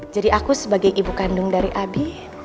jadi aku sebagai ibu kandung dari abi